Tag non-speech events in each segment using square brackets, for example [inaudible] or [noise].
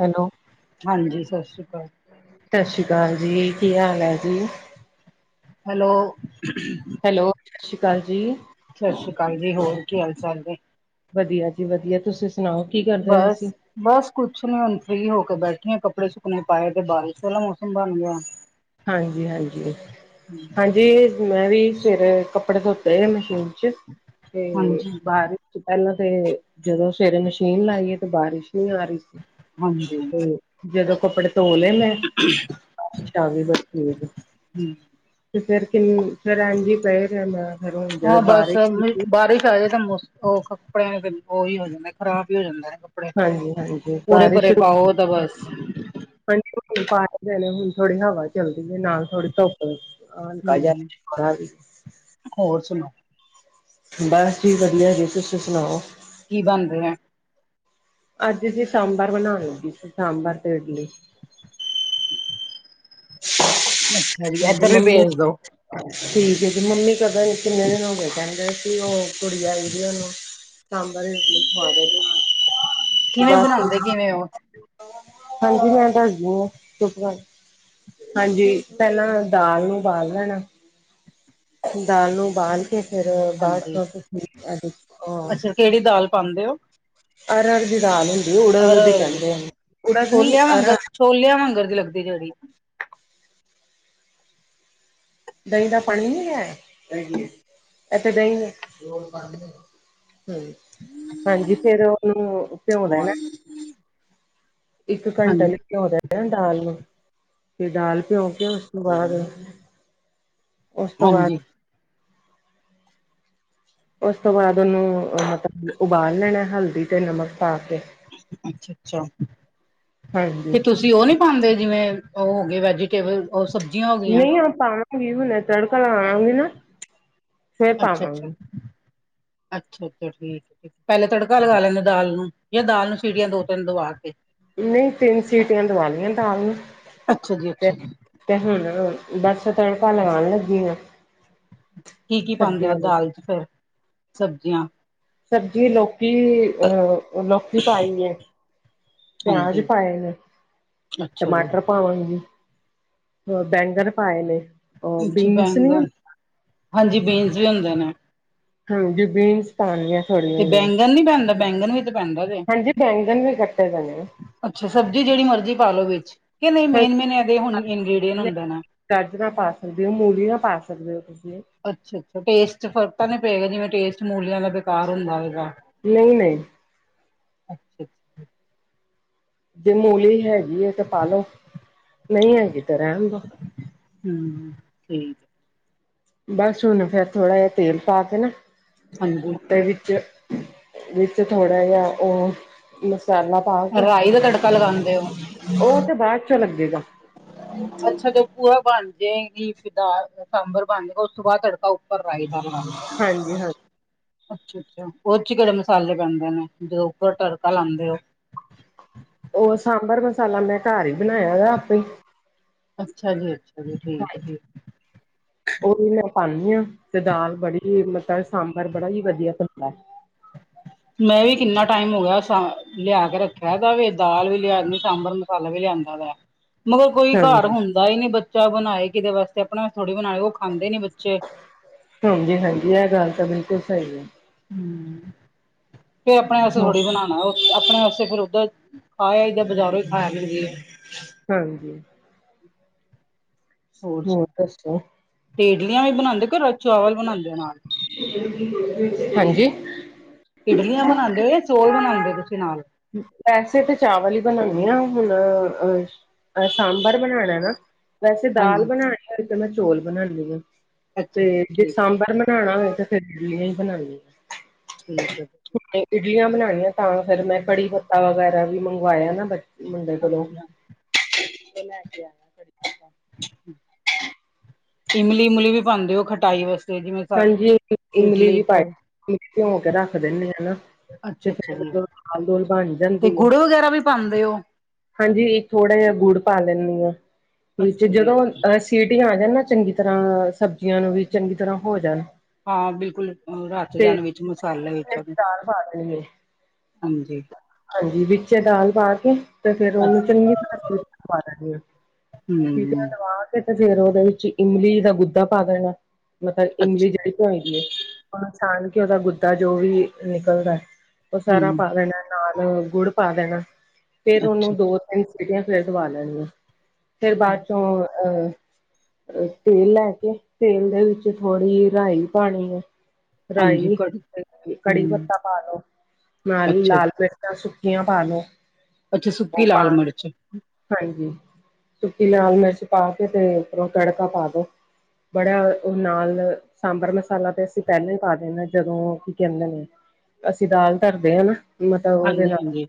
Hello, ਹਾਂਜੀ ਸਤਿ ਸ੍ਰੀ ਅਕਾਲ। ਸਤਿ ਸ਼੍ਰੀ ਅਕਾਲ ਜੀ ਕੀ ਹਾਲ ਹੈ ਜੀ। ਹੈਲੋ [inaudible] ਹੈਲੋ ਸਤਿ ਸ਼੍ਰੀ ਅਕਾਲ ਜੀ। ਸਤਿ ਸ਼੍ਰੀ ਅਕਾਲ ਜੀ ਹੋਰ ਕੀ ਹਾਲ ਚਾਲ ਜੀ। ਵਧੀਆ ਜੀ ਵਧੀਆ ਤੁਸੀਂ ਸੁਣਾਓ। ਕੀ ਕਰਦੇ ਹੋਏ ਬਸ ਸੀ? ਬਸ ਕੁਛ ਨੀ ਹੁਣ ਫ੍ਰਰੀ ਹੋ ਕੇ ਬੈਠੀ ਆ ਕੱਪੜੇ ਸੁੱਕਣੇ ਪਾਏ ਤੇ ਬਾਰਿਸ਼ ਵਾਲਾ ਮੌਸਮ ਬਣ ਗਿਆ। ਹਾਂਜੀ- ਹਾਂਜੀ- ਹਾਂਜੀ ਮੈਂ ਵੀ ਸਵੇਰੇ ਕੱਪੜੇ ਧੋਤੇ ਮਸ਼ੀਨ ਜਿਸ ਦੇ ਹਾਂਜੀ ਬਾਰ ਪਹਿਲਾਂ ਤੇ ਜਦੋਂ ਸਵੇਰੇ ਮਸ਼ੀਨ ਲਾਈ ਹੈ ਤੇ ਬਾਰਿਸ਼ ਨਹੀਂ ਆ ਰਹੀ ਸੀ। ਹਾਂਜੀ ਤੇ ਜਦੋਂ ਕੱਪੜੇ ਧੋ ਲਏ ਮੈਂ [inaudible] ਤਾਂ ਵੀ [unintelligible] ਹੈ ਤੇ ਫਿਰ ਕਿੰਨ ਫਿਰ ਏਂਜ ਈ ਪਹਿ ਰਿਹਾ ਮੈਂ ਫਿਰ ਹਾਂ ਜਦੋਂ ਬਸ ਬਾਰਿਸ਼ ਰੁਕੀ ਬਾਰਿਸ਼ ਤਾਂ ਜ ਮ ਸ ਉਹ ਕੱਪੜਿਆਂ ਨੇ ਉਹੀ ਹੋ ਜਾਂਦੇ ਖਰਾਬ ਹੀ ਹੋ ਜਾਂਦਾ। ਕਪੜੇ ਹਾਂਜੀ ਹਾਂਜੀ, ਓਰੇ ਬਾਰਿਸ਼ ਪਰੇ ਪਾਓ ਤਾਂ ਰੁਕੀ ਬਸ ਹਾਂਜੀ ਪਾਣੇ ਹੁਣ ਥੋੜ੍ਹੀ ਹਵਾ ਚੱਲਦੀ ਹੈ ਨਾਲ ਥੋੜੀ ਧੁੱਪ ਹਮ [unintelligible] ਹੋਰ ਸੁਣਾਓ। ਬਸ ਜੀ ਵਧੀਆ ਜੀ ਤੁਸੀਂ ਸੁਣਾਓ। ਕੀ ਬਣ ਰਿਹਾ। ਅੱਜ ਅਸੀਂ ਸਾਂਬਰ ਬਣਾ ਲਗੀ ਸਾਂਬਰ ਤੇ ਇਡਲੀ ਅੱਛਾ ਜੀ [inaudible] ਹਾਂਜੀ ਇੱਧਰ ਵੀ ਮੰਮੀ ਭੇਜ ਦੋ [inaudible] ਠੀਕ ਜੀ ਮੰਮੀ ਕਦਾ ਨ ਕਿੰਨੇ ਦਿਨ ਹੋ ਗਏ ਕਹਿੰਦੇ ਸੀ ਉਹ ਕੁੜੀ ਆਈ ਦੀ ਉਹਨੂੰ ਸਾਂਬਰ ਇਡਲੀ ਖਵਾ ਦੇ ਬਣਾ ਕੇ [inaudible] ਕਿਵੇਂ ਬੱਸ ਬਣਾਉਂਦੇ ਕਿਵੇਂ ਉਹੀ ਹੋ ਹਾਂਜੀ, ਮੈਂ ਦੱਸਦੀ ਹਾਂ ਚੁਪ ਹਾਂਜੀ- ਪਹਿਲਾਂ ਦਾਲ ਨੂੰ ਉਬਾਲ ਲੈਣਾ- ਦਾਲ ਨੂੰ ਬਾਲ ਕੇ ਫਿਰ ਬਾਅਦ ਹਾਂਜੀ ਚਹ ਅੱਛਾ ਕਿਹੜੀ ਦਾਲ ਪਾਉਦੇ ਹੋ। ਅਰਹਰ ਦੀ ਦਾਲ ਹੁੰਦੀ ਉੜਗ ਦੀ ਅਰ ਕਹਿੰਦੇ ਹਨ ਉੜਗ ਨਹੀ ਛੋਲਿਆਂ ਅਰਹਰ ਵਾਂਗਰ ਛੋਲਿਆਂ ਵਾਂਗਰ ਦੇ ਲੱਗਦੀ ਜਿਹੜੀ ਦਹੀਂ ਦਾ ਪਾਣੀ ਨੀ ਹੈ। ਇਥੇ ਦਹੀਂ- ਹਮ, ਹਾਂਜੀ ਫੇਰ ਉਹਨੂੰ ਭਿਉ ਦੇਣਾ - ਇਕ ਹਾਂ ਘੰਟਾ ਲਈ ਭਿਉ ਦੇਣਾ ਦਾਲ ਨੂੰ, ਤੇ ਦਾਲ ਭਿਉ ਕੇ ਉਸ ਤੋਂ ਬਾਅਦ ਉਸ ਤੋਂ ਹਾਂਜੀ ਬਾਅਦ- ਉਸ ਤੋਂ ਬਾਅਦ ਉਹਨੂੰ ਮਤਲਬ ਉਬਾਲ ਲੈਣਾ ਹਲਦੀ ਤੇ ਨਮਕ ਪਾ ਕੇ ਅਛਾ -ਅਛਾ ਹਾਂਜੀ ਤੇ ਤੁਸੀ- ਤੁਸੀ ਉਹ ਨਹੀ ਪਾਉਦੇ ਜਿਵੇਂ ਉਹ ਹੋ ਗਏ ਵੈਜੀਟੇਬਲ ਉਹ ਸਬ ਨਹੀ ਆਪਾਂ ਪਾਲਕ ਪਨੀਰ ਬਣਿਆ ਤੜਕਾ ਲਾਉਣਾ ਆਉਗੀ ਨਾ- ਫੇਰ ਅਛਾ- ਅਛਾ, ਪਾਵਾਂਗੀ ਅਛਾ -ਅਛਾ ਠੀਕ, ਪਹਿਲੇ ਤੜਕਾ ਲਗਾ ਲੈਂਦੇ ਦਾਲ ਨੂੰ ਜਾਂ ਦਾਲ ਨੂੰ ਸੀਟੀਆਂ ਦੋ- ਤਿੰਨ ਦਵਾ ਕੇ ਨਹੀ ਤਿੰਨ ਸੀਟੀਆਂ ਦਵਾਉਣੀਆਂ ਦਾਲ ਨੂੰ ਅੱਛਾ ਜੀ ਤੇ ਅੱਛਾ ਜੀ ਤੇ ਹੁਣ, ਬੱਸ ਤੜਕਾ ਲਗਾਉਣ ਲੱਗੀ ਕੀ -ਕੀ ਪਾਉਂਦੇ ਸਬਜ਼ੀਆਂ ਹੋ ਨੂੰ ਦਾਲ ਚ ਫੇਰ ਸਬਜ਼ੀਆਂ ਸਬਜ਼ੀ ਲੋਕੀ, ਅਹ ਲੋਕੀ ਪਾਈ ਹੈ। ਪਿਆਜ ਹਾਂਜੀ ਪਾਏ ਨੇ, ਅੱਛਾ ਜੀ ਟਮਾਟਰ ਪਾਵਾਂਗੀ- ਬੈਂਗਰ ਪਾਏ ਨੇ, ਉਹ ਅੱਛਾ ਬੀਨਸ ਨਹੀ ਬੈਂਗਣ ਹੁੰਦੇ ਹਾਂਜੀ ਬੀਨਸ ਵੀ ਹੁੰਦੇ ਨੇ- ਹਾਜੀ ਬੀਨਸ- ਪਾਉਦੀ ਥੋੜੀਆਂ- ਤੇ ਜਿਹੀਆਂ ਬੈਂਗਨ ਨੀ ਪੈਦਾ ਬੈਂਗਨ ਵੀ- ਪੈਂਦਾ ਹਾਂਜੀ ਬੈਂਗਨ ਵੀ ਕੱਟੇ ਜਾਣੇ ਆ ਅਛਾ ਸਬਜ਼ੀ ਜਿਹੜੀ ਮਰਜ਼ੀ ਪਾ ਲਓ ਵਿਚ, ਕਿ ਨਹੀ ਮੇਨ- ਮੇਨ ਇਹਦੇ ਇਨਗ੍ਰਡੀਅਂਟ ਹੁੰਦਾ ਨਾ ਗਾਜਰਾਂ ਪਾ ਸਕਦੇ ਹੋ, ਮੂਲੀਆਂ ਪਾ ਸਕਦੇ ਹੋ ਤੁਸੀ ਅਛਾ- ਅਛਾ ਟੇਸਟ ਫ਼ਰਕ ਤਾਂ ਨੀ ਪਏਗਾ ਜਿਵੇ ਟੇਸਟ ਮੂਲੀਆਂ ਦਾ ਬੇਕਾਰ ਹੁੰਦਾ ਹੈਗਾ ਨਹੀ- ਨਹੀ- ਅੱਛਾ-ਅੱਛਾ ਜੇ ਮੂਲੀ ਹੈਗੀ ਹੈ ਤੇ ਪਾਲੋ, ਨਹੀ ਹੈਗੀ ਤੇ ਰਹਿਨ ਦੋ ਹੂੰ ਠੀਕ- ਬਸ ਹੁਣ ਫੇਰ ਥੋੜਾ ਜਿਹਾ ਤੇਲ ਪਾ ਕੇ ਨਾ- ਹਾਂਜੀ- ਦੇ ਵਿਚ- ਵਿਚ ਥੋੜ੍ਹਾ ਜਿਹਾ ਉਹ- ਮਸਾਲਾ ਪਾ ਕੇ, ਰਾਈ ਦਾ ਤੜਕਾ ਲਗਾਂਦੇ ਓ ਉਹ ਤੇ ਬਾਅਦ ਚ ਲੱਗੇਗਾ ਅਛਾ ਤੇ ਭੂਆ ਬਣ ਜਾਏਗੀ ਦਾਲ ਸਾਂਬਰ ਬਣ ਜਾਏਗਾ ਉਸ ਤੋਂ ਬਾਅਦ ਤੜਕਾ ਭਰਵਾਈ ਦਾ [unintelligible] ਹਾਂਜੀ ਹਾਂਜੀ ਅਛਾ- ਅਛਾ ਉਹਦੇ 'ਚ ਕਿਹੜੇ ਮਸਾਲੇ ਪੈਂਦੇ ਨੇ ਜਦੋ ਉਪਰ ਤੜਕਾ ਲਾਂਉਦੇ ਹੋ। ਉਹ ਸਾਂਬਰ ਮਸਾਲਾ, ਮੈ ਘਰ ਹੀ ਬਣਾਇਆ ਵਾ ਆਪੇ ਅਛਾ ਜੀ ਅਛਾ ਜੀ ਠੀਕ ਆ ਠੀਕ- [inaudible] [inaudible] ਉਹ ਵੀ ਮੈਂ ਪਾਉਂਦੀ ਹਾਂ ਤੇ ਦਾਲ ਬੜੀ ਮਤਲਬ ਸਾਂਬਰ ਬੜਾ ਹੀ ਵਧੀਆ ਬਣਦਾ ਮੈਂ ਵੀ ਕਿੰਨਾ ਟਾਈਮ ਹੋ ਗਿਆ ਲਿਆ ਕੇ ਰੱਖਿਆ ਇਹਦਾ ਵੀ ਦਾਲ ਵੀ ਲਿਆਉਣੀ ਸਾਂਬਰ ਮਸਾਲਾ ਵੀ ਲਿਆਂਦਾ ਵਾ, ਮਗਰ ਕੋਈ ਘਰ ਹਾਂਜੀ ਹੁੰਦਾ ਦਾਲ ਹੀ ਨੀ ਬੱਚਾ ਬਣਾਏ ਕਿਦੇ ਵਾਸਤੇ ਆਪਣਾ ਥੋੜੀ ਬਣਾਏ ਉਹ ਖਾਂਦੇ ਨੀ ਬੱਚੇ ਹਾਂਜੀ- ਹਾਂਜੀ ਇਹ ਗੱਲ ਤਾਂ ਬਿਲਕੁਲ ਸਹੀ ਹੈ। ਹਮ ਫਿਰ ਆਪਣੇ ਵਾਸਤੇ ਹ ਥੋੜ੍ਹੀ ਬਣਾ। ਣਾ ਆਪਣੇ ਵਾਸਤੇ ਫਰ ਓਧਰ ਖਾਆਦ ਬਾਜ਼ਾਰੋਂ ਹੀ ਖਾਇਆ ਮਿਲਦੀ। ਹਾਂਜੀ, ਹੋਰ ਸੁਣਾ ਤੇ ਇਡਲੀਆਂ ਵੀ ਬਣਾਂਦੇ ਕੇ ਚੋਲ ਬਣਾਂਦੇ ਓ ਨਾਲ। ਹਾਂਜੀ, ਇਡਲੀਆਂ ਬਣਾਂਦੇ ਓ ਜਾਂ ਚੋਲ ਬਣਾਂਦੇ ਓ ਤੁਸੀਂ ਨਾਲ। ਵੈਸੇ ਤਾਂ ਚਾਵਲ ਹੀ ਬਣਾਣੇ ਆ ਹੁਣ ਅਹ ਅਹ ਸਾਂਬਰ ਬਣਾਣਾ ਨਾ ਵੈਸੇ ਦਾਲ ਹਾਂਜੀ ਬਣਾਣੀ ਤੇ ਮੈਂ ਚੋਲ ਬਣਾਦੀ ਆ। ਅੱਛਾ ਅੱਛਾ ਤੇ ਠੀਕ ਹੈ ਸਾਬਲਬਰ ਬਨਾਣਾ ਹੋਵੇ ਤੇ ਫੇਰ ਬਲੀਆਂ ਈ ਬਣਾਣੀਆਂ। ਠੀਕ ਐ। ਇਡਲੀਆਂ ਬਣਾਣੀਆਂ ਤਾਂ ਫਿਰ ਮੈਂ ਕੜੀ ਪੱਤਾ ਵਗੈਰਾ ਵੀ ਮੰਗਵਾਇਆ ਨਾ ਬ ਮੁੰਡੇ ਕੋਲੋਂ। ਹਾਂਜੀ ਹਾਂ ਉਹ ਲੈਣ ਗਿਆ। [inaudible] ਇਮਲੀ ਉਮਲੀ ਵੀ ਪਾਂਦੇ ਓ ਖਟਾਈ ਵਾਸਤੇ। ਜਿਵੇਂ ਹਾਂਜੀ ਇਮਲੀ ਇਡਲੀ ਵੀ ਕ ਪਾ ਪਿਓ ਕੇ ਰੱਖ ਦਿਨੇ ਆ ਨਾ। ਤੇ ਅੱਛਾ ਅੱਛਾ [unintelligible] ਜੀ ਦਾਲ ਦੋਲ ਬਣ ਤੇ ਜਾਂਦੀ ਐ ਗੁੜ ਵਗੈਰਾ ਵੀ ਪਾਉਂਦੇ ਹੋ ਹਾਂਜੀ ਇਹ ਥੋੜ੍ਹਾ ਜਿਹਾ ਗੁੜ ਪਾ ਲੈਣੀ ਆ ਵਿੱਚ ਅੱਛਾ ਜੀ ਜਦੋਂ ਅੱਛਾ ਅ ਸੀਟੀਆ ਜਾਣ ਨਾ ਚੰਗੀ ਤਰ੍ਹਾਂ ਸਬਜ਼ੀਆਂ ਨੂੰ ਵੀ ਚੰਗੀ ਤਰ੍ਹਾਂ ਹੋ ਜਾਣ ਹਾਂ, ਬਿਲਕੁਲ ਰਚ ਤੇ ਜਾਣ ਵਿੱਚ ਮਸਾਲੇ ਵਿੱਚ [unintelligible] ਹਾਂਜੀ ਹਾਂਜੀ, ਵਿੱਚ ਦਾਲ ਪਾ ਕੇ ਤੇ ਫੇਰ ਉਹਨੂੰ ਅੱਛਾ ਚੰਗੀ ਤਰ੍ਹਾਂ ਚਵਾ ਦੇਣੀ ਆ। ਸੀਟੀਆਂ ਹਮ ਦਵਾ ਕੇ ਤੇ ਫੇਰ ਉਹਦੇ ਵਿੱਚ ਇਮਲੀ ਦਾ ਗੁੱਦਾ ਪਾ ਦੇਣਾ। ਮਤਲਬ ਇਮਲੀ ਜਿਹੜ ਧੋਈ ਦੀ ਐ ਉਹਨੂੰ ਛਾਣ ਕੇ ਉਹਦਾ ਗੁੱਦਾ ਜੋ ਵੀ ਨਿਕਲਦਾ। ਓ ਸਾਰਾ ਪਾ ਦੇਣਾ ਨਾਲ ਗੁੜ ਪਾ ਦੇਣਾ ਫੇਰ ਅੱਛਾ ਅੱਛਾ ਉਹਨੂੰ ਦੋ ਸੀਟੀਆਂ ਫਿਰ ਦਵਾ ਲੈਣੀਆਂ ਫੇਰ ਬਾਅਦ ਚੋਂ ਅਹ ਅ ਤੇਲ ਲੈ ਕੇ ਤੇਲ ਦੇ ਵਿੱਚ ਥੋੜ੍ਹੀ ਜੀ ਰਾਈ ਪਾਣੀ ਐ। ਹਾਂਜੀ ਰਾਈ ਕੜੀ ਕੜੀ ਹਮ ਪੱਤਾ ਪਾ ਲੋ। ਨਾਲ ਅੱਛਾ ਜੀ ਲਾਲ ਮਿਰਚਾਂ ਸੁੱਕੀਆਂ ਪਾ ਲੋ। ਅੱਛਾ ਉਹ ਸੁੱਕੀ ਪਾ ਲਾਲ ਮਿਰਚ। ਹਾਂਜੀ ਸੁੱਕੀ ਲਾਲ ਮਿਰਚ ਪਾ ਕੇ ਤੇ ਉੱਪਰੋਂ ਤੜਕਾ ਪਾ ਦੋ। ਬੜਾ ਉਹ ਨਾਲ ਸਾਂਬਰ ਮਸਾਲਾ ਤਾਂ ਅਸੀਂ ਪਹਿਲਾਂ ਹੀ ਪਾ ਦੇਣਾ ਜਦੋਂ ਕੀ ਕਹਿੰਦੇ ਨੇ ਅਸੀਂ ਦਾਲ ਧਰਦੇ ਆ ਨਾ। ਮਤਲਬ ਉਹਦੇ ਹਾਂਜੀ ਨਾਲ ਹਾਂਜੀ,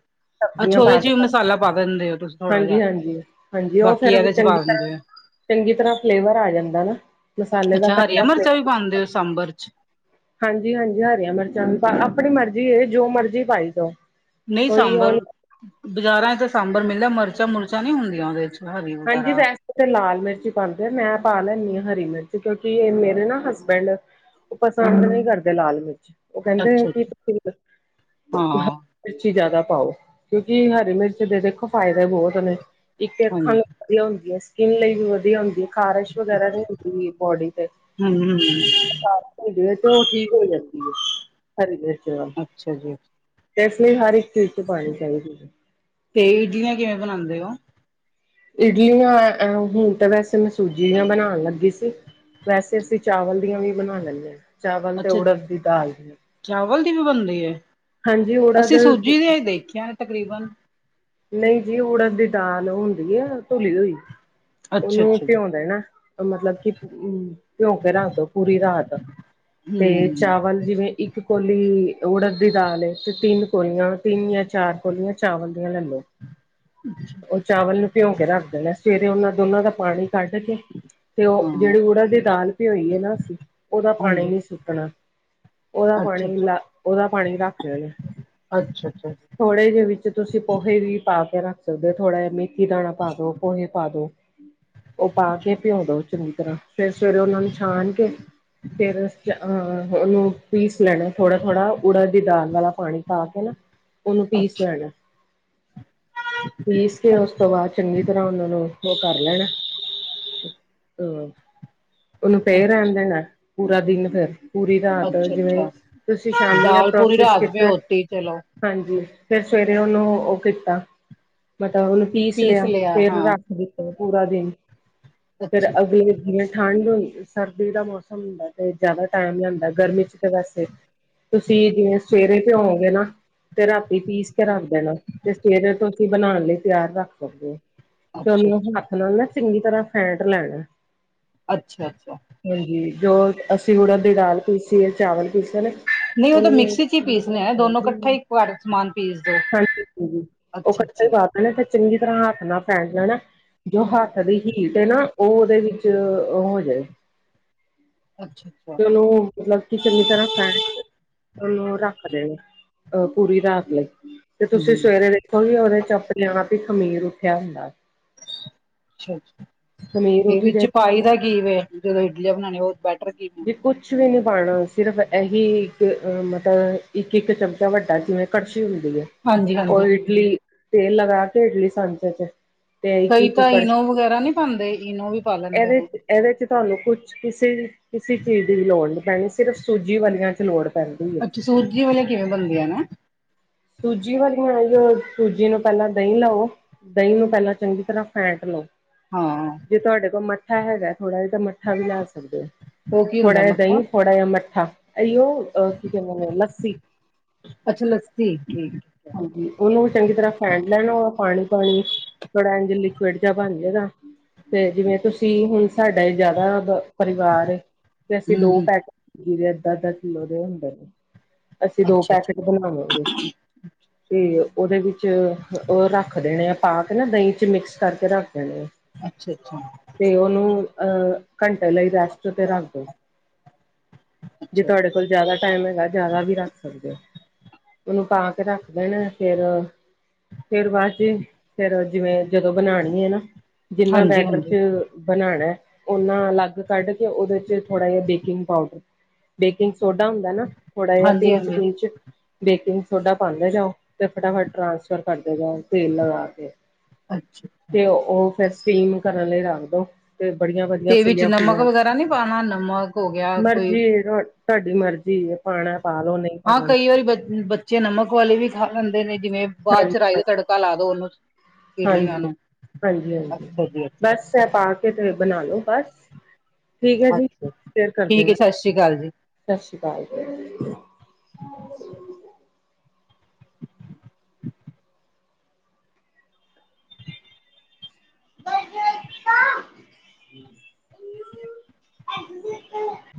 ਅੱਛਾ ਸਬਜ਼ੀਆਂ ਉਹਦੇ ਪਾ ਚ ਕੇ ਵੀ ਧਰ ਮਸਾਲਾ ਪਾ ਦਿੰਦੇ ਹੋ ਤੁਸੀਂ। ਥੋੜਾ ਹਾਂਜੀ ਜਿਹਾ ਹਾਂਜੀ, ਹਾਂਜੀ ਉਹ ਬਾਕੀ ਫੇਰ ਇਹਦੇ ਚ ਚੰਗੀ ਪਾ ਤਰ੍ਹਾਂ। ਦਿੰਦੇ ਹੋ ਚੰਗੀ ਤਰ੍ਹਾਂ ਫਲੇਵਰ ਆ ਜਾਂਦਾ ਨਾ ਮਸਾਲੇ ਦਾ ਅੱਛਾ ਹਰੀਆਂ ਕੱਚਾ ਮਿਰਚਾਂ ਵੀ ਪਾਉਂਦੇ ਫਲੇਵਰ। ਹੋ ਸਾਂਬਰ ਚ ਹਾਂਜੀ ਹਾਂਜੀ, ਹਰੀਆਂ ਮਿਰਚਾਂ ਵੀ ਆਪਣੀ ਮਰਜ਼ੀ ਜੋ ਮਰਜ਼ੀ ਪਾਈ ਜਾਓ। ਨਹੀਂ ਕੋਈ ਉਹ ਸਾਂਬਰ ਨੀ ਬਾਜ਼ਾਰਾਂ ਚ ਤਾਂ ਸਾਂਬਰ ਮਿਲਦਾ ਮਿਰਚਾਂ ਮੁਰਚਾਂ ਨੀ ਹੁੰਦੀਆਂ ਉਹਦੇ ਚ। ਹਰੀ ਹਾਂਜੀ ਵਗੈਰਾ ਵੈਸ ਲਾਲ ਮਿਰਚ ਹੀ ਪਾਂਦੇ ਆ ਮੈਂ ਪਾ ਲੈਂਦੀ ਹਾਂ ਹਰੀ ਮਿਰਚ ਕਿਉਂਕਿ ਇਹ ਮੇਰੇ ਨਾ ਹਸਬੈਂਡ ਉਹ ਪਸੰਦ ਨਹੀਂ ਕਰਦੇ ਲਾਲ ਮਿਰਚ ਉਹ ਕਹਿੰਦੇ ਅੱਛਾ ਕਿ ਅੱਛਾ ਤੁਸੀਂ, ਹਾਂ ਮਿਰਚੀ ਜਿਆਦਾ ਪਾਓ ਕਿਉਂਕਿ ਹਰੀ ਮਿਰਚ ਦੇ ਦੇਖੋ ਫਾਇਦੇ ਬਹੁਤ ਨੇ ਇੱਕ ਅੱਖਾਂ ਹਾਂਜੀ ਨੂੰ ਵਧੀਆ ਹੁੰਦੀ ਐ ਸਕਿਨ ਲਈ ਵੀ ਵਧੀਆ ਹੁੰਦੀ ਹੈ ਖਾਰਸ਼ ਵਗੈਰਾ ਨਹੀਂ ਹੁੰਦੀ ਬੋਡੀ ਤੇ। ਹਮ ਹਮ [unintelligible] ਤੇ ਉਹ ਠੀਕ ਹੋ ਜਾਂਦੀ ਐ ਹਰੀ ਮਿਰਚ ਨਾਲ। ਅੱਛਾ ਜੀ, ਇਸ ਲਈ ਹਰ ਇੱਕ ਚੀਜ਼ ਚ ਪਾਣੀ ਚਾਹੀਦੀ ਆ। ਤੇ ਇਡੀਆਂ ਕਿਵੇਂ ਬਣਾਂਦੇ ਓ। ਇਡਲੀਆਂ ਹੁਣ ਤਾਂ ਵੈਸੇ ਮੈਂ ਸੂਜੀ ਦੀ ਬਣਾਣ ਲੱਗੀ ਸੀ। ਵੈਸੇ ਅਸੀਂ ਚਾਵਲ ਦੀਆਂ ਵੀ ਬਣਾ ਲੈਣੇ ਆ। ਚਾਵਲ ਤੇ ਅੱਛਾ ਉੜਦ ਦੀ ਦਾਲ ਚਾਵਲ ਦੀ ਵੀ ਬਣਦੀ ਹੈ ਹਾਂਜੀ ਊੜਦ ਅਸੀਂ ਸੂਜੀ ਦੇ ਦੇਖਿਆ ਨੇ ਤਕਰੀਬਨ ਨਹੀਂ ਜੀ, ਉੜਦ ਦੀ ਦਾਲ ਉਹ ਹੁੰਦੀ ਆ ਧੁਲੀ ਹੋਈ, ਅੱਛਾ ਉਹਨੂੰ ਅੱਛਾ ਜੀ ਭਿੰਉ ਦੇਨਾ। ਮਤਲਬ ਕਿ ਭਿਉ ਕੇ ਰੱਖਦੋ ਪੂਰੀ ਰਾਤ, ਤੇ ਹਮ ਚਾਵਲ ਜਿਵੇਂ ਇੱਕ ਇਕ ਕੋਲੀ ਉੜਦ ਦੀ ਦਾਲ ਏ, ਤੇ ਤਿੰਨ ਕੋਲੀਆਂ ਤਿੰਨ ਜਾਂ ਚਾਰ ਕੋਲੀਆਂ ਚਾਵਲ ਦੀਆ ਲੈ ਲੋ। ਜੀ ਉਹ ਚਾਵਲ ਨੂੰ ਭਿਉਂ ਕੇ ਰੱਖ ਦੇਣਾ, ਸਵੇਰੇ ਉਹਨਾਂ ਦੋਨਾਂ ਦਾ ਪਾਣੀ ਕੱਢ ਕੇ ਤੇ ਉਹ ਹਾਂ ਜਿਹੜੀ ਉੜਦ ਦੀ ਦਾਲ ਭਿਉਂਈ ਏ ਨਾ ਅਸੀ, ਉਹਦਾ ਪਾਣੀ ਹਾਂਜੀ ਨੀ ਸੁਟਣਾ। ਉਹਦਾ ਅੱਛਾ ਪਾਣੀ ਅੱਛਾ ਲਾ, ਉਹਦਾ ਪਾਣੀ ਰੱਖਦੇ ਨੇ। ਅੱਛਾ ਅੱਛਾ ਥੋੜੇ ਜਿਹੇ ਵਿੱਚ ਤੁਸੀਂ ਪੋਹੇ ਵੀ ਪਾ ਕੇ ਰੱਖ ਸਕਦੇ ਹੋ, ਥੋੜਾ ਜਹਾ ਮ ਮੇਥੀ ਦਾਣਾ ਪਾ ਦੋ, ਪੋਹੇ ਪਾ ਦੋ, ਉਹ ਪਾ ਕੇ ਭਿਉਂ ਦੋ ਚੰਗੀ ਤਰ੍ਹਾਂ। ਫਿਰ ਸਵੇਰੇ ਉਹਨਾ ਨੂੰ ਛਾਣ ਕੇ, ਫਿਰ ਅਹ ਉਹਨੂੰ ਪੀਸ ਲੈਣਾ, ਥੋੜਾ - ਥੋੜ੍ਹਾ, ਉੜਦ ਦੀ ਦਾਲ ਵਾਲਾ ਪਾਣੀ ਪਾ ਕੇ ਨਾ। ਉਹਨੂੰ ਪੀਸ ਅੱਛਾ ਲੈਣਾ। ਪੀਸ ਕੇ, ਉਸ ਤੋਂ ਬਾਅਦ ਚੰਗੀ ਤਰ੍ਹਾਂ ਉਹਨਾਂ ਨੂੰ ਉਹ ਕਰ ਲੈਣਾ, ਹੂਂ। ਉਹਨੂੰ ਪਏ ਅੱਛਾ ਰਹਿਣ ਦੇਣਾ, ਪੂਰਾ ਦਿਨ, ਫੇਰ ਪੂਰੀ ਰਾਤ, ਅੱਛਾ ਜਿਵੇਂ ਅੱਛਾ ਤੁਸੀਂ ਸ਼ਾਮੀ ਆ ਦਾਲ ਪੂਰੀ ਪ੍ਰੋਸੈਸ ਰਾਤ ਕੀਤਾ ਭਿਓਤੀ ਚਲੋ ਹਾਂਜੀ ਫਿਰ ਸਵੇਰੇ ਉਹਨੂੰ ਉਹ ਕੀਤਾ, ਮਤਲਬ ਉਹਨੂੰ ਪੀਸ ਲਿਆ, ਫੇਰ ਰੱਖ ਦਿੱਤਾ ਪੂਰਾ ਦਿਨ, ਫੇਰ ਅੱਛਾ ਅਗਲੇ ਜਿ ਠੰਢ ਹੁੰ ਸਰਦੀ ਦਾ ਮੌਸਮ ਹੁੰਦਾ, ਤੇ ਜ਼ਿਆਦਾ ਟਾਈਮ ਲਿਆਂਦਾ, ਗਰਮੀ ਚ ਤੇ ਵੈਸੇ ਤੁਸੀਂ ਸਵੇਰੇ ਭੇਯੋਗੇ ਨਾ, ਤੇ ਰਾਤੀ ਪੀਸ ਕੇ ਰੱਖ ਦੇਣਾ ਤੇ ਫਿਰ ਤੁਸੀਂ ਬਣਾਉਣ ਲਈ ਤਿਆਰ ਰੱਖ ਸਕਦੇ ਹੋ, ਤੁ ਅੱਛਾ ਅੱਛਾ ਉਹਨੂੰ ਅੱਛਾ ਹੱਥ ਨਾਲ ਨਾ ਚੰਗੀ ਤਰ੍ਹਾਂ ਫੈਟ ਲੈਣਾ। ਅੱਛਾ -ਅੱਛਾ। ਹਾਂਜੀ, ਜੋ ਅਸੀਂ ਉੜਦ ਦੀ ਦਾਲ ਪੀਸੀ ਏ, ਚਾਵਲ ਪੀਸੇ ਨੇ। ਨਹੀਂ ਉਹ ਤਾਂ ਮਿਕਸੀ ਚ ਹੀ ਪੀਸਨੇ ਹੈ ਦੋਨੋ ਇਕੱਠਾ ਹੀ ਘਰ ਸਮਾਨ ਪੀਸ ਦੋ ਹਾਂਜੀ ਉਹ ਅੱਛਾ ਇਕੱਠਾ ਅੱਛਾ ਪਾ ਦੇਣਾ, ਤੇ ਚੰਗੀ ਤਰ੍ਹਾਂ ਹੱਥ ਨਾਲ ਫੈਲ ਜਾਣੈ। ਜੋ ਹੱਥ ਅੱਛਾ ਦੀ ਹੀਟ ਐ ਨਾ, ਉਹ ਉਹਦੇ ਵਿੱਚ ਹੋ ਜਾਏ। ਅੱਛਾ। ਚਲੋ! ਮਤਲਬ ਕਿ ਚੰਗੀ ਤਰ੍ਹਾਂ ਫੈਂਟ ਉਹਨੂੰ ਰੱਖ ਦੇਣਾ, ਅਹ ਪੂਰੀ ਰਾਤ ਲਈ। ਤੇ ਤੁਸੀਂ ਹਮ ਸਵੇਰੇ ਵੇਖੋਗੇ, ਉਹਦੇ 'ਚ ਆਪਣੇ ਆਪ ਹੀ ਖਮੀਰ ਉੱਠਿਆ ਹੁੰਦਾ। ਅੱਛਾ, ਖਮੀਰ ਉੱਠ ਇਹਦੇ 'ਚ ਜੇ ਪਾਈ ਦਾ ਕੀ ਵੇ, ਜਦੋਂ ਇਡਲੀਆਂ ਬਣਾਉਣੀਆਂ? ਉਹ ਬੈਟਰ ਕੀ ਵੇ? ਜੇ ਕੁਛ ਵੀ ਨ ਪਾਉਣਾ, ਸਿਰਫ ਇਹੀ ਇੱਕ, ਮਤਲਬ ਇੱਕ - ਇੱਕ ਚਮਚਾ ਵੱਡਾ, ਜਿਵੇਂ ਕੜਛੀ ਹੁੰਦੀ ਹੈ। ਹਾਂਜੀ ਉਹ ਹਾਂਜੀ ਇਡਲੀ, ਤੇਲ ਲਗਾ ਕੇ ਇਡਲੀ ਸਾਂਚੇ 'ਚ ਤੇ ਕਈ ਇੱਕ-ਇੱਕ ਤਾਂ ਇਨੋ ਕੜਛੀ ਵਗੈਰਾ ਨਹੀਂ ਪਾਉਂਦੇ, ਇਨੋ ਵੀ ਪਾ ਲੈਂਦੇ ਇਹਦੇ ਨੇ 'ਚ, ਇਹਦੇ 'ਚ ਤੁਹਾਨੂੰ ਕੁਛ ਕਿਸੇ ਕਿਸੇ ਚੀਜ਼ ਦੀ ਵੀ ਲੋੜ ਨੀ ਪੈਣੀ, ਸਿਰਫ ਸੂਜੀ ਵਾਲਿਆ ਚ ਲੋੜ ਪੈਂਦੀ ਏ। ਸੁਜੀ ਵਾਲਿਆਂ ਕਿਵੇਂ ਬਨ ਗਿਆ ਨਾ? ਸੂਜੀ ਵਾਲੀਆ, ਸੂਜੀ ਨੂੰ ਪਹਿਲਾਂ ਦਹੀਂ ਲਓ। ਦਹੀਂ ਨੂੰ ਪਹਿਲਾਂ ਚੰਗੀ ਤਰ੍ਹਾਂ ਫੈਂਟ ਲਓ। ਹਾਂ ਜੇ ਤੁਹਾਡੇ ਕੋਲ ਮੱਠਾ ਹੈਗਾ ਥੋੜਾ ਜਿਹਾ, ਤਾਂ ਮੱਠਾ ਵੀ ਲਾ ਸਕਦੇ ਹੋ। ਉਹ ਕੀ ਥੋੜਾ ਹੁੰਦਾ ਜਿਹਾ ਮੱਠਾ ਦਹੀਂ, ਥੋੜਾ ਜਿਹਾ ਮੱਠਾ, ਅਈਉ ਕੀ ਕਹਿੰਦੇ ਨੇ ਲੱਸੀ। ਅੱਛਾ, ਲੱਸੀ, ਠੀਕ। ਠੀਕ ਹਾਂਜੀ, ਉਹਨੂੰ ਚੰਗੀ ਤਰ੍ਹਾਂ ਫੈਂਟ ਲੈਣਾ ਵਾ, ਪਾਣੀ - ਪਾਣੀ ਥੋੜਾ ਇੰਜ ਲਿਕਵਿਡ ਜਿਹਾ ਬਣ ਜਾਏ ਨਾ, ਤੇ ਜਿਵੇਂ ਤੁਸੀਂ ਹੁਣ ਸਾਡਾ ਜਿਆਦਾ ਪਰਿਵਾਰ ਤੇ ਅਸੀਂ ਹਮ ਦੋ ਹਮ ਪੈਕੇਟ ਲਏ, ਅੱਧਾ ਅੱਧਾ- ਕਿੱਲੋ ਦੇ ਹੁੰਦੇ ਨੇ। ਅਸੀਂ ਦੋ ਅੱਛਾ ਅੱਛਾ ਪੈਕੇਟ ਬਣਾਵਾਂਗੇ। ਤੇ ਉਹਦੇ ਵਿੱਚ ਉਹ ਰੱਖ ਦੇਣੇ ਆ, ਪਾ ਕੇ ਨਾ, ਦਹੀਂ 'ਚ ਮਿਕਸ ਕਰਕੇ ਰੱਖ ਦੇਣੇ ਆ। ਅੱਛਾ ਅੱਛਾ, ਤੇ ਉਹਨੂੰ, ਅਹ ਘੰਟੇ ਲਈ ਰੈਸਟ ਤੇ ਰੱਖ ਦੋ, ਜੇ ਅੱਛਾ ਤੁਹਾਡੇ ਕੋਲ ਜਿਆਦਾ ਟਾਈਮ ਹੈਗਾ ਜ਼ਿਆਦਾ ਵੀ ਰੱਖ ਸਕਦੇ ਹੋ। ਉਹਨੂੰ ਪਾ ਕੇ ਰੱਖ ਦੇਣ, ਫੇਰ ਫੇਰ ਬਾਅਦ ਚ, ਫੇਰ ਜਿਵੇਂ ਜਦੋਂ ਬਣਾਉਣੀ ਹੈ ਨਾ ਜਿੰਨਾ ਹਾਂਜੀ ਬੈਟਰ ਹਾਂਜੀ ਚ ਬਣਾਉਣਾ, ਉਹਨਾ ਅਲੱਗ ਕੱਢ ਕੇ ਉਹਦੇ ਚ ਥੋੜ੍ਹਾ ਜਿਹਾ ਬੇਕਿੰਗ ਪਾਊਡਰ ਬੇਕਿੰਗ ਸੋਡਾ ਹੁੰਦਾ ਨਾ, ਥੋੜਾ ਜਿਹਾ ਹਾਂਜੀ ਪਿੰਚ- ਹਾਂਜੀ ਪਿੰਚ ਬੇਕਿੰਗ ਸੋਡਾ ਪਾਉਂਦੇ ਜਾਓ, ਤੇ ਫਟਾਫਟ ਟ੍ਰਾਂਸਫਰ ਕਰਦੇ ਜਾਓ ਤੇਲ ਲਗਾ ਕੇ ਅੱਛਾ, ਤੇ ਉਹ ਫੇਰ ਸਟੀਮ ਕਰਨ ਲਈ ਰੱਖ ਦੋ ਤੇ ਬੜੀਆਂ ਵਧੀਆ ਤੇ ਵਿੱਚ ਫੁੱਲੀਆਂ ਨਮਕ -ਫੁੱਲੀਆਂ ਵਗੈਰਾ ਨਹੀਂ ਪਾਣਾ ਨਮਕ ਹੋ ਗਿਆ ਕੋਈ ਮਰਜੀ। ਤੁਹਾਡੀ ਮਰਜ਼ੀ ਆ, ਪਾਉਣਾ ਪਾਲੋ ਹਾਂ, ਕਈ ਵਾਰੀ ਬ ਬੱਚੇ ਨਮਕ ਵਾਲੇ ਵੀ ਖਾ ਲੈਂਦੇ ਨੇ ਜਿਵੇਂ। ਬਾਅਦ ਹਾਂਜੀ ਚ ਰਾਈ ਦਾ ਤੜਕਾ ਲਾ ਦੋ ਉਹਨੂੰ ਇਡਲੀਆਂ ਹਾਂਜੀ ਨੂੰ, ਅੱਛਾ ਜੀ ਅੱਛਾ ਜੀ ਚਾਹੇ ਪਾ ਕੇ ਤੇ ਬਣਾ ਲੋ ਬਸ ਠੀਕ ਹੈ ਜੀ, ਅੱਛਾ ਫਿਰ ਕਰਦੇ ਠੀਕ ਹੈ ਆ, ਸਤਿ ਸ਼੍ਰੀ ਅਕਾਲ ਜੀ ਸਤਿ ਸ੍ਰੀ ਅਕਾਲ ਜੀ। ਹ [inaudible] [inaudible] [unintelligible] [unintelligible] ਐਕਸੀਲੈਂਟ।